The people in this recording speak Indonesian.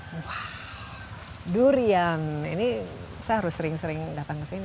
wah durian ini saya harus sering sering datang ke sini